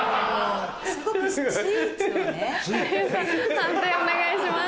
判定お願いします。